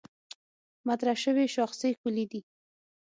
مطرح شوې شاخصې کُلي دي.